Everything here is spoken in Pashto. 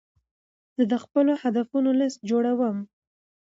زه د خپلو هدفونو لیست جوړوم.